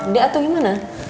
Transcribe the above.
dia atau gimana